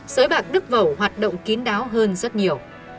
sới bạc đức vẩu hoạt động kín đáo hơn rất nhiều